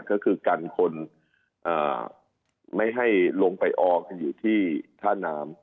ก็คือกันคนไม่ให้ลงไปออกอยู่ที่ท่าน้ำ